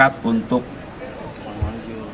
bersepakat untuk mencari penyelamat